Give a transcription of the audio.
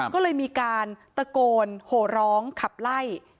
ก็เลยมีการตะโกนโหร้องขับไล่